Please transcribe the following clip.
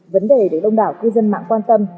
vấn đề được đông đảo cư dân mạng quan tâm